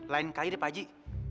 lain kali deh pakji